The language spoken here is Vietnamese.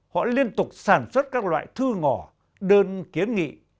họ liên tục sản xuất các loại thư ngỏ đơn kiến nghị